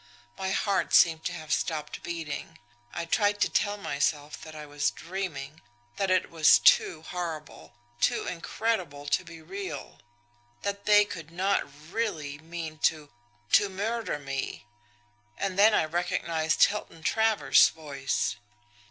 My heart seemed to have stopped beating. I tried to tell myself that I was dreaming, that it was too horrible, too incredible to be real; that they could not really mean to to MURDER me. And then I recognised Hilton Travers' voice.